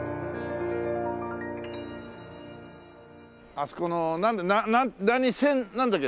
あそこの何千なんだっけ？